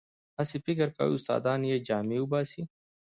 هسې فکر کوي استادان یې جامې وباسي.